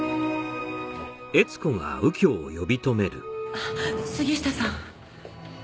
あっ杉下さん。